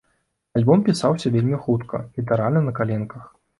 Альбом пісаўся вельмі хутка, літаральна на каленках.